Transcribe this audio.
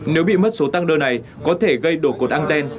nếu bị mất số tăng đơ này có thể gây đổ cột anten